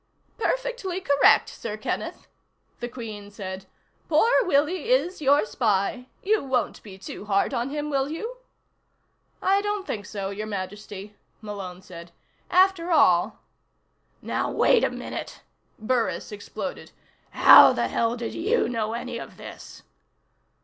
"Perfectly correct, Sir Kenneth," the Queen said. "Poor Willie is your spy. You won't be too hard on him, will you?" "I don't think so, Your Majesty," Malone said. "After all " "Now wait a minute," Burris exploded. "How the hell did you know any of this?"